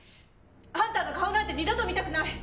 あんたの顔なんて二度と見たくない！